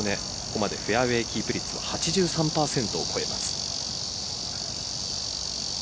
ここまでフェアウエーキープ率は８３％を超えます。